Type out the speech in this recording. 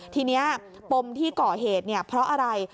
ทีนี้ปมที่ก่อเหตุเพราะอะไร